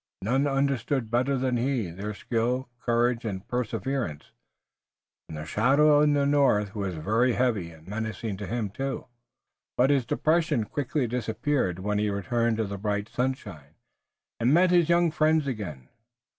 None understood better than he their skill, courage and perseverance, and the shadow in the north was very heavy and menacing to him too. But his depression quickly disappeared when he returned to the bright sunshine, and met his young friends again.